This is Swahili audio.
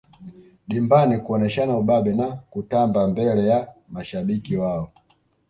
dimbani kuoneshana ubabe na kutamba mbele ya mashabiki wao